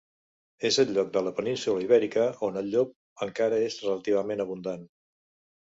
És el lloc de la península Ibèrica on el llop encara és relativament abundant.